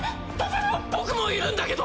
ぼぼぼ僕もいるんだけど！